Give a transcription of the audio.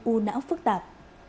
ưu não phức tạp